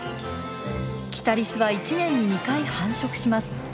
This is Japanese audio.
キタリスは１年に２回繁殖します。